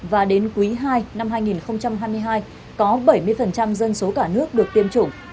và đến quý ii năm hai nghìn hai mươi hai có bảy mươi dân số cả nước được tiêm chủng